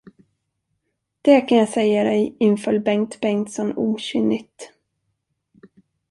Det kan jag säga dig, inföll Bengt Bengtsson okynnigt.